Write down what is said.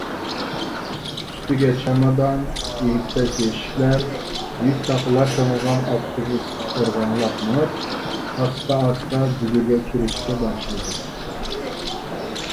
ئۈستىگە چامادان، ئېگىز -پەس يەشىكلەر، يۈك -تاقلار تېڭىلغان ئاپتوبۇس ئىرغاڭلاپ مېڭىپ ئاستا-ئاستا بۈگۈرگە كىرىشكە باشلىدى.